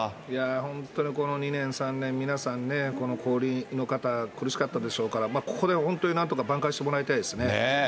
本当にこの２年、３年、皆さんね、この小売りの方、苦しかったでしょうから、ここで本当になんとか挽回してもらいたいですね。